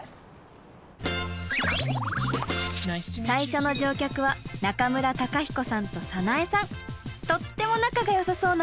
最初の乗客はとっても仲がよさそうなお二人。